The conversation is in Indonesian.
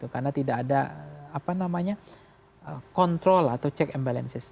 karena tidak ada kontrol atau check and balances